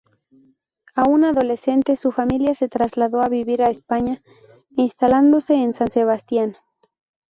Aún adolescente, su familia se trasladó a vivir a España, instalándose en San Sebastián.